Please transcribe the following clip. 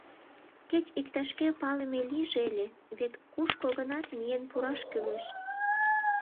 Кеч иктаж-кӧ палыме лийже ыле, вет кушко-гынат миен пураш кӱлеш.